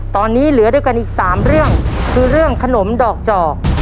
ตอนนี้เหลือด้วยกันอีก๓เรื่องคือเรื่องขนมดอกจอก